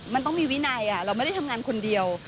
มันต้องมีวินัยเราไม่ได้ทำงานคนเดียว